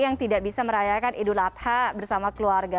yang tidak bisa merayakan idul adha bersama keluarga